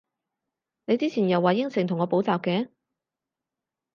你之前又話應承同我補習嘅？